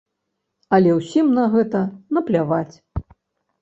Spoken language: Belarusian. Але ўсім на гэта напляваць.